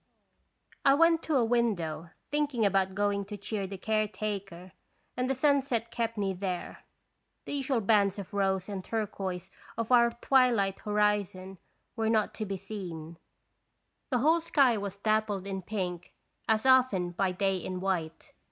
I went to a window, thinking about going to cheer the care taker, and the sunset kept me there. The usual bands of rose and turquoise of our twilight horizon were not to be seen; the whole sky was dappled in pink as often by i54 21 (Stations Visitation. day in white.